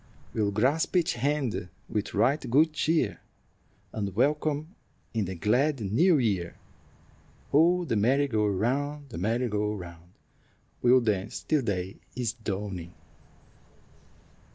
We'll grasp each hand with right good cheer, And welcome in the glad new year. Oh, the merry go round, the merry go round, We'll dance till day is dawning."